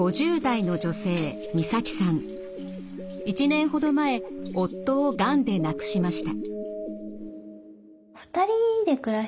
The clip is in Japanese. １年ほど前夫をがんでなくしました。